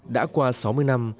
đã qua sáu mươi năm